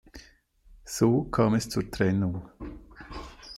So kam es zur Trennung.